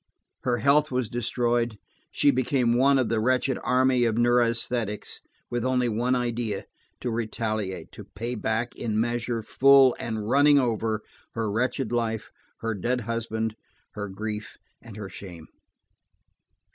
Her health was destroyed; she became one of the wretched army of neurasthenics, with only one idea: to retaliate, to pay back in measure full and running over, her wrecked life, her dead husband, her grief and her shame.